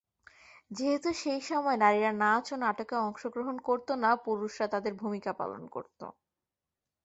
যেহেতু সেইসময় নারীরা নাচ বা নাটকে অংশগ্রহণ করত না, পুরুষরা তাদের ভূমিকা পালন করত।